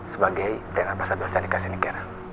sebagai ibran ambasado cadika skincare